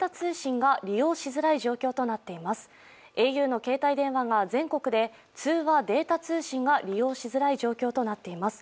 ａｕの携帯電話が全国で通話・データ通信が利用しづらい状況となっています。